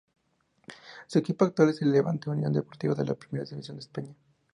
Su equipo actual es el Levante Unión Deportiva de la Primera División de España.